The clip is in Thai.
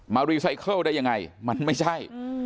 รีไซเคิลได้ยังไงมันไม่ใช่